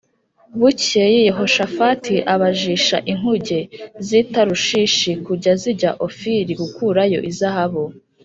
Bukeye Yehoshafati abājisha inkuge z’i Tarushishi kujya zijya Ofiri gukurayo izahabu